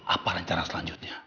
apa rencana selanjutnya